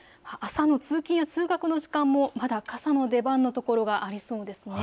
朝の通勤や通学の時間もまだ傘の出番のところがありそうです。